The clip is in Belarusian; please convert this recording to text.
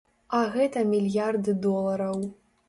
А гэта мільярды долараў.